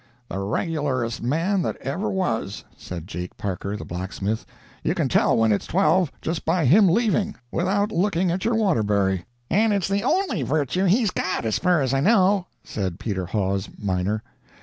"The regularest man that ever was," said Jake Parker, the blacksmith; "you can tell when it's twelve just by him leaving, without looking at your Waterbury." "And it's the only virtue he's got, as fur as I know," said Peter Hawes, miner.